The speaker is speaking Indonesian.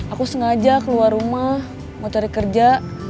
aku sengaja keluar rumah mau cari kerja